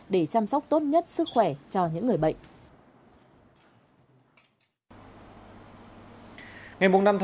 để chăm sóc tốt nhất sức khỏe cho những người bệnh